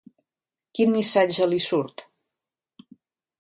Quin missatge li surt?